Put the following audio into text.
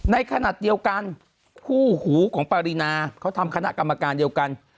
ในขณะเดียวกันคู่หูของปารีนาเขาทำคณะกรรมการเดียวกัน